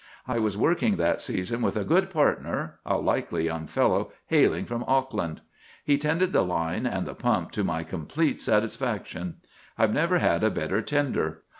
I was working that season with a good partner, a likely young fellow hailing from Auckland. He tended the line and the pump to my complete satisfaction. I've never had a better tender.